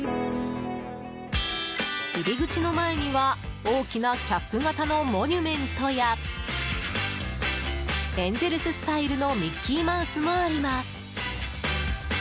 入り口の前には、大きなキャップ型のモニュメントやエンゼルススタイルのミッキーマウスもあります。